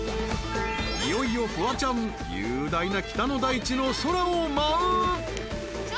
［いよいよフワちゃん雄大な北の大地の空を舞う！］